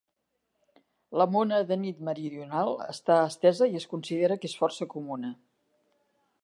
La mona de nit meridional està estesa i es considera que es força comuna.